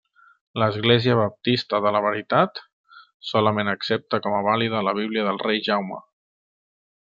L'Església Baptista de la Veritat, solament accepta com a vàlida la Bíblia del Rei Jaume.